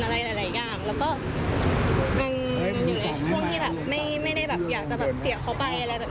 อะไรหลายอย่างแล้วก็ช่วงที่ไม่ได้จะเสียขนาดผม